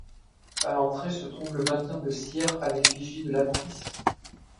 À l'entrée se trouve le mannequin de cire à l'effigie de l'actrice.